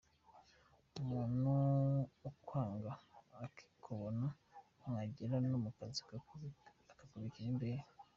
Umuntu akwanga akikubona, mwagera no mu kazi akakubikira imbehe.